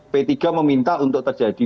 p tiga meminta untuk terjadi